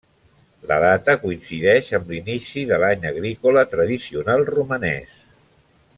La data coincideix amb l'inici de l'any agrícola tradicional romanès.